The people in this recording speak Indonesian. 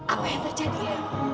apa yang terjadi ya